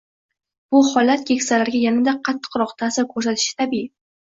Bu holat keksalarga yanada qattiqroq ta`sir ko`rsatishi tabiiy